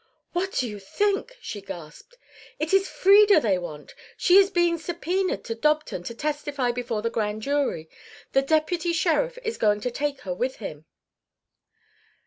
"What do you think?" she gasped. "It is Frieda they want. She is being subpoenaed to Dobton to testify before the Grand Jury. The deputy sheriff is going to take her with him."